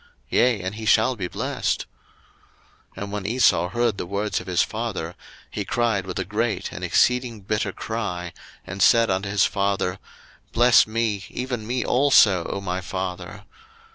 yea, and he shall be blessed. 01:027:034 And when Esau heard the words of his father, he cried with a great and exceeding bitter cry, and said unto his father, Bless me, even me also, O my father.